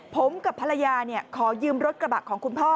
ผมกับภรรยาขอยืมรถกระบะของคุณพ่อ